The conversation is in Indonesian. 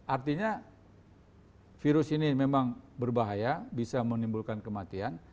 artinya virus ini memang berbahaya bisa menimbulkan kematian